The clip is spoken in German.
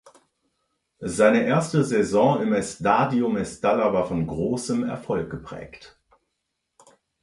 Seine erste Saison im Estadio Mestalla war von großem Erfolg geprägt.